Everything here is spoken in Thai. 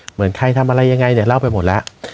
เหมือนใครทำอะไรยังไงเนี่ยเล่าไปหมดแล้ว